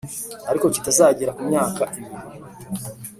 Ariko kitageze ku myaka ibiri